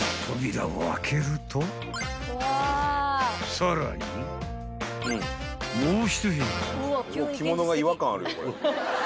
［さらにもう１部屋］